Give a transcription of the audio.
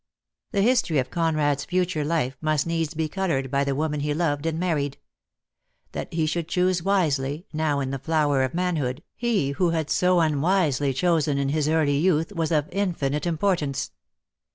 The history of Conrad's future life must needs be coloured by the woman he loved and married. That he should choose wisely, now in the flower of manhood, he who had so unwisely chosen in his early youth, was of infinite import ance.